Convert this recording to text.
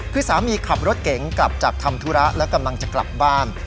คือสามีขับรถเก๋งกลับจากทำธุระและกำลังจะกลับบ้าน